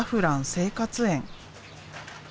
生活園。